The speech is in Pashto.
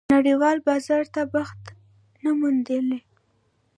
نړېوال بازار ته بخت نه موندلی.